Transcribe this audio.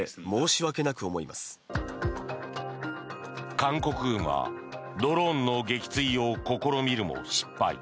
韓国軍はドローンの撃墜を試みるも失敗。